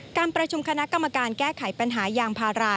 การประชุมคณะกรรมการแก้ไขปัญหายางพารา